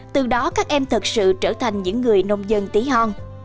từ đó các em thật sự trở thành những người nông dân tí hon